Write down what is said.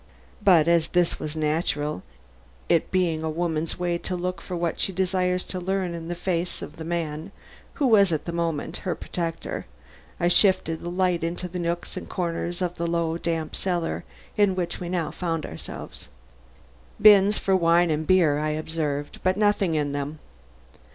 But as this was natural, it being a woman's way to look for what she desires to learn in the face of the man who for the moment is her protector, I shifted the light into the nooks and corners of the low, damp cellar in which we now found ourselves. "Bins for wine and beer," I observed, "but nothing in them."